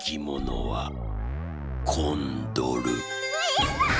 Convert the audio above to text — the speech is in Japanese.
やった！